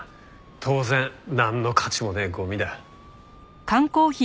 当然なんの価値もねえゴミだ。